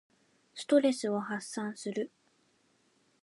ストレスを発散する。